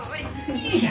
よいしょ。